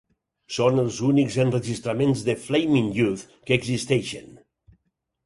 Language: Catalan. Són els únics enregistraments de Flaming Youth que existeixen.